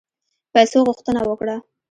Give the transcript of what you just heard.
پیسو غوښتنه وکړه.